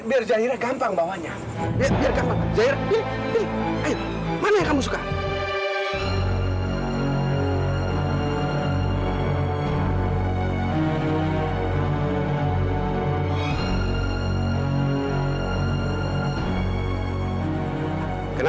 biar zahira gampang bawahnya